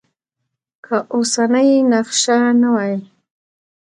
که اوسنی نقش نه وای.